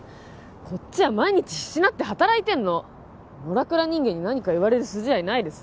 こっちは毎日必死になって働いてんののらくら人間に何か言われる筋合いないです